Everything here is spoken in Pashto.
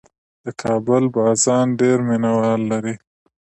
د کابل بازان ډېر مینه وال لري.